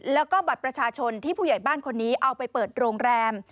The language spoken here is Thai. แล้วก็บัตรประชาชนที่ผู้ใหญ่บ้านคนนี้เอาไปเปิดโรงแรม